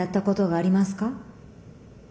あります。